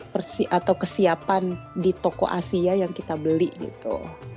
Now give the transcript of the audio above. persi atau kesiapan di toko asia yang kita beli gitu